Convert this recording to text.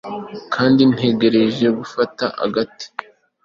kandi ntegereje gufata agati